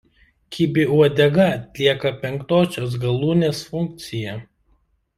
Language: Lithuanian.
Kibi uodega atlieka penktosios galūnės funkciją.